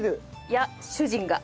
いや主人が。